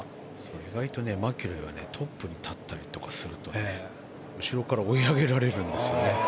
意外とマキロイはトップに立ったりとかすると後ろから追い上げられるんですよね。